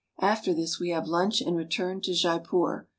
After this we have lunch and return to Jaipur.